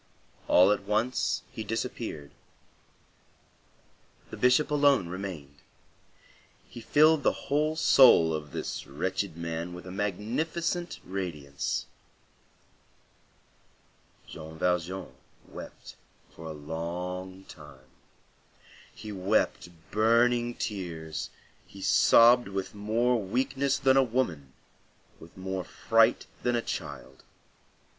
All at once he disappeared. The Bishop alone remained; he filled the whole soul of this wretched man with a magnificent radiance. Jean Valjean wept for a long time. He wept burning tears, he sobbed with more weakness than a woman, with more fright than a child.